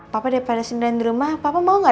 papa udah pada sindiran di rumah papa mau gak